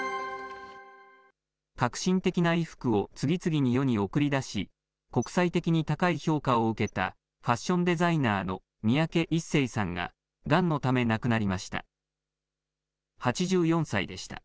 革新的な衣服を次々に世に送り出し、国際的に高い評価を受けたファッションデザイナーの三宅一生さんががんのため亡くなりました。